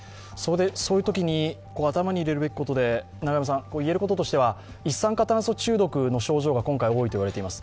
そういうときに頭に入れるべきことで言えることとしては、一酸化炭素中毒の症状が今回多いと言われています。